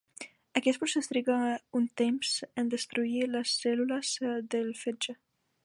Aquest procés triga un temps en destruir les cèl·lules del fetge.